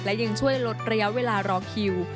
และยังช่วยลดระยะเวลารอคิว